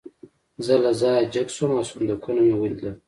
زه له ځایه جګ شوم او صندوقونه مې ولیدل